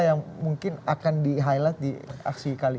yang mungkin akan di highlight di aksi kali ini